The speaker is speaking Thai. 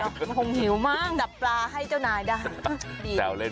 มันคงหิวมากดับปลาให้เจ้านายได้